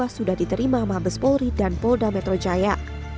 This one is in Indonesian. sudah diterima mabes polri dan polda metro jaya